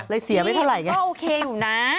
เลยเสียไปเท่าไหร่ไงพี่ก็โอเคอยู่นะ